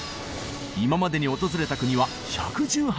今までに訪れた国は１１８か国。